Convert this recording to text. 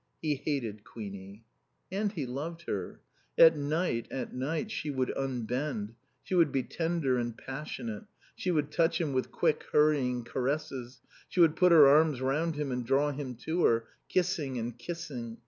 He hated Queenie. And he loved her. At night, at night, she would unbend, she would be tender and passionate, she would touch him with quick, hurrying caresses, she would put her arms round him and draw him to her, kissing and kissing.